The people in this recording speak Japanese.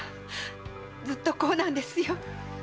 ずっとこうなんですよ。